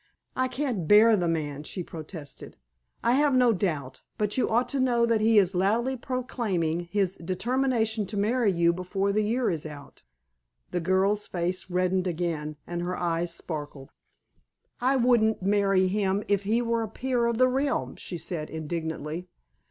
"I can't bear the man," she protested. "I have no doubt. But you ought to know that he is loudly proclaiming his determination to marry you before the year is out." The girl's face reddened again, and her eyes sparkled. "I wouldn't marry him if he were a peer of the realm," she said indignantly.